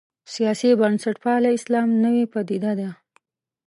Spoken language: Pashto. سیاسي بنسټپالی اسلام نوې پدیده ده.